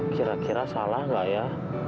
kira kira salah nggak ya